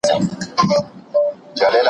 ځوانان به د خپل هېواد په جوړولو کي برخه واخلي.